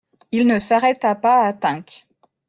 Il ne s'arrêta pas à Tinques.